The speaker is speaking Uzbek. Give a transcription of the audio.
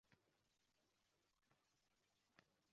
Olimpiadada o‘zbekistonlik sportchilarning ishtiroki davom etmoqda